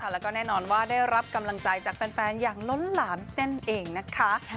แล้วก็แน่นอนว่าได้รับกำลังใจจากแฟนอย่างล้นหลามนั่นเองนะคะ